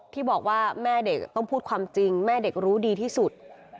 ที่บอกว่าแม่เด็กต้องพูดความจริงแม่เด็กรู้ดีที่สุด